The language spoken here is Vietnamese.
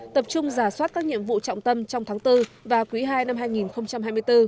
tập trung giả soát các nhiệm vụ trọng tâm trong tháng bốn và quý ii năm hai nghìn hai mươi bốn